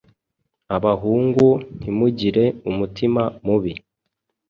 Abahungu ntimugire umutima mubi